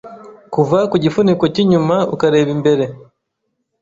Kuva ku gifuniko cy'inyuma ukareba imbere